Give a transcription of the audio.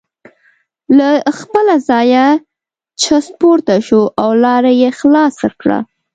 له خپله ځایه چست پورته شو او لاره یې خلاصه کړه.